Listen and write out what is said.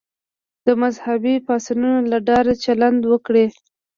د مذهبي پاڅونونو له ډاره چلند وکړ.